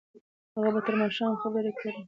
هغه به تر ماښامه خبرې کړې وي.